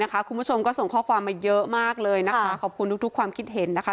คุณผู้ชมก็ส่งข้อความมาเยอะมากเลยนะคะขอบคุณทุกความคิดเห็นนะคะ